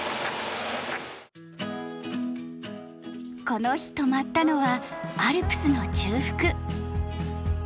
この日泊まったのはアルプスの中腹。